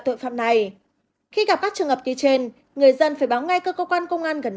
tội phạm này khi gặp các trường hợp như trên người dân phải báo ngay cơ quan công an gần